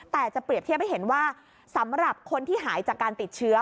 แต่จะเปรียบเทียบให้เห็นว่าสำหรับคนที่หายจากการติดเชื้อ